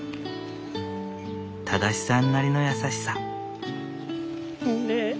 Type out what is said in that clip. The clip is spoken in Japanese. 正さんなりの優しさ。